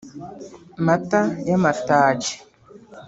Mata y’amatage